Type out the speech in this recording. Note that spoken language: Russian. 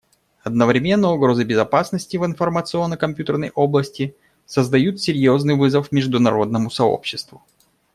Одновременно угрозы безопасности в информационно-компьютерной области создают серьезный вызов международному сообществу.